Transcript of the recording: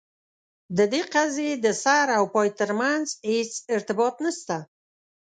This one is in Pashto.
د دې قضیې د سر او پای ترمنځ هیڅ ارتباط نسته.